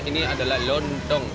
ini adalah lontong